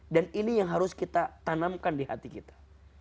dan ini yang harus kita tanamkan di hati kita